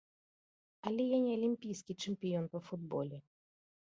Але я не алімпійскі чэмпіён па футболе.